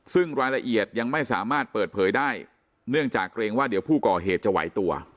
ซึ่งรายละเอียดยังไม่สามารถเปิดเผยได้เนื่องจากเกรงว่าเดี๋ยวผู้ก่อเหตุจะไหวตัว